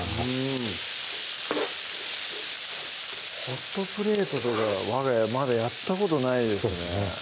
うんホットプレートとかわが家まだやったことないですね